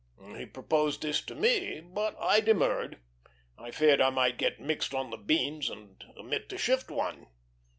He proposed this to me, but I demurred; I feared I might get mixed on the beans and omit to shift one.